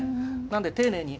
なんで丁寧に。